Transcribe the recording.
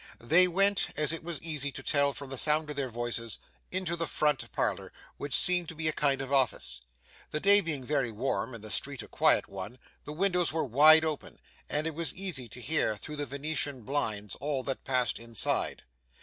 They went, as it was easy to tell from the sound of their voices, into the front parlour, which seemed to be a kind of office. The day being very warm and the street a quiet one, the windows were wide open; and it was easy to hear through the Venetian blinds all that passed inside.